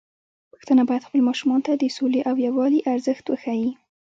پښتانه بايد خپل ماشومان ته د سولې او يووالي ارزښت وښيي.